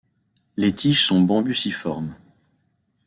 Les tiges sont bambusiformes.